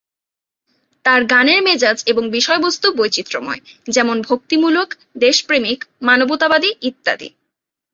তার গানের মেজাজ এবং বিষয়বস্তু বৈচিত্র্যময়; যেমন: ভক্তিমূলক, দেশপ্রেমিক, মানবতাবাদী ইত্যাদি।